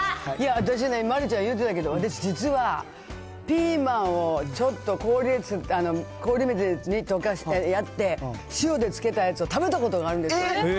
私ね、丸ちゃん、言うてたけど、私、実はピーマンをちょっと氷水にやって、塩でつけたやつを食べたことがあるんですよ。